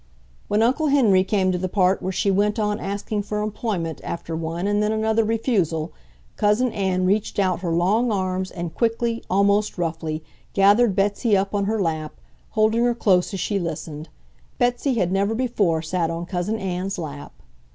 When Uncle Henry came to the part where she went on asking for employment after one and then another refusal, Cousin Ann reached out her long arms and quickly, almost roughly, gathered Betsy up on her lap, holding her close as she listened. Betsy had never before sat on Cousin Ann's lap.